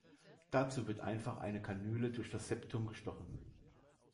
Dazu wird einfach eine Kanüle durch das Septum gestochen.